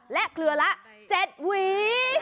และเคลือละเจ็ดหวี